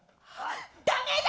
ダメだ！